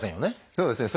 そうですね。